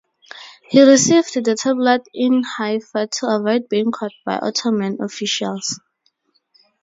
He received the tablet in Haifa to avoid being caught by Ottoman officials.